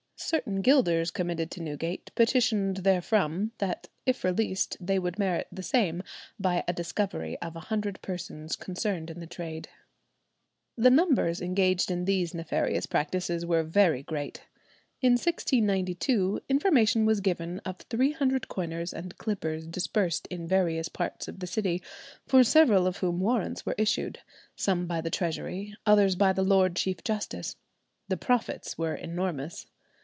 Certain gilders committed to Newgate petitioned therefrom, that if released they would merit the same by a discovery of a hundred persons concerned in the trade. The numbers engaged in these nefarious practices were very great. In 1692, information was given of three hundred coiners and clippers dispersed in various parts of the city, for several of whom warrants were issued, some by the Treasury, others by the Lord Chief Justice. The profits were enormous.